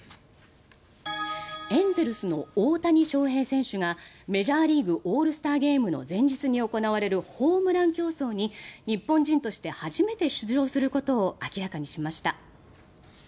エンゼルスの大谷翔平選手がメジャーリーグオールスターゲームの前日に行われるホームラン競争に日本人として初めて出場することを明らかにしました。